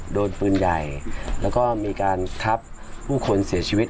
โดนปืนใหญ่แล้วก็มีการทับผู้คนเสียชีวิต